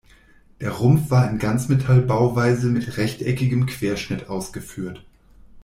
Der Rumpf war in Ganzmetallbauweise mit rechteckigem Querschnitt ausgeführt.